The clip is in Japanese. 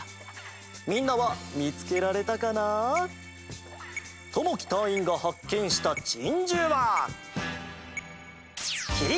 みんなはみつけられたかな？ともきたいいんがはっけんしたチンジューは？